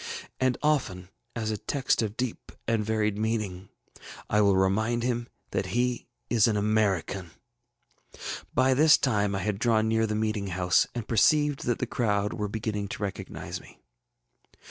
And often, as a text of deep and varied meaning, I will remind him that he is an American.ŌĆÖ ŌĆ£By this time I had drawn near the meeting house, and perceived that the crowd were beginning to recognize me.